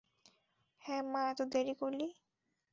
হ্যাঁ মা, এত দেরি করলি?